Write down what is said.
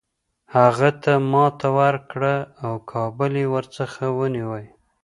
هغه ته ماته ورکړه او کابل یې ورڅخه ونیوی.